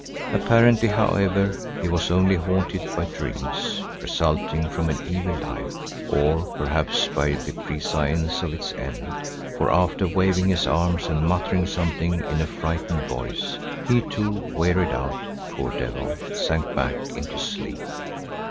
Apparently, however, he was only haunted by dreams resulting from an evil life, or perhaps by the prescience of its end, for after waving his arm and muttering something in a frightened voice, he too, wearied out, poor devil, sank back into sleep.